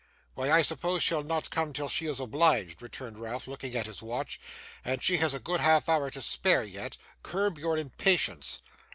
'Why, I suppose she'll not come till she is obliged,' returned Ralph, looking at his watch, 'and she has a good half hour to spare yet. Curb your impatience.